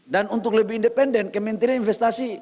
dan untuk lebih independen kementerian investasi